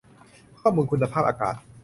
ข้อมูลคุณภาพอากาศ